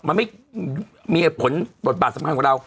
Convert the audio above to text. มันไม่มีผลบทบาทสำคัญของเรา